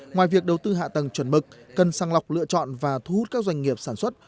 ngoài việc đầu tư hạ tầng chuẩn mực cần sang lọc lựa chọn và thu hút các doanh nghiệp sản xuất